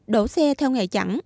đỗ xe theo ngày chẳng